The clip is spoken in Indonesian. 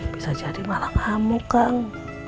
bisa jadi malang kamu kang